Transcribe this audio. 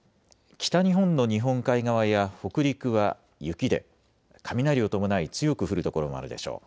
北日本の日本海側や北陸は雪で雷を伴い強く降る所もあるでしょう。